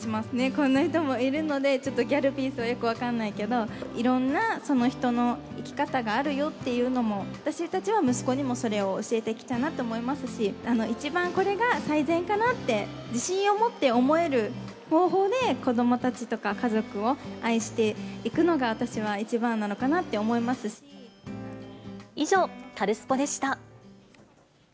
こんな人もいるので、ちょっとギャルピースはよく分かんないけど、いろんな人の生き方があるよっていうのも、私たちは息子にもそれを教えていきたいなと思いますし、一番これが最善かなって、自信を持って思える方法で、子どもたちとか家族を愛していくのが、以上、カルスポっ！でした。